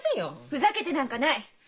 ふざけてなんかない！